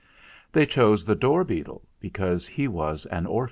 They chose the dor beetle, because he was an orphan.